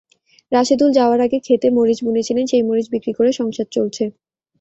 রাশেদুল যাওয়ার আগে খেতে মরিচ বুনেছিলেন, সেই মরিচ বিক্রি করে সংসার চলছে।